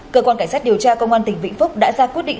cơ quan cảnh sát điều tra công an tỉnh vĩnh phúc đã ra quyết định